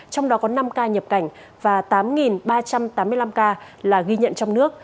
trong đó có năm ca nhập cảnh và tám ba trăm tám mươi năm ca là ghi nhận trong nước